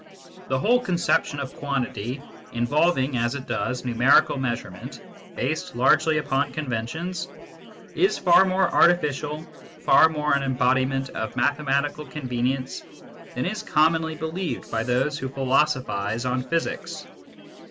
The whole conception, of quantity, involving, as it does, numerical measurement based largely upon conventions, is far more artificial, far more an embodiment of mathematical convenience, than is commonly believed by those who philosophise on physics.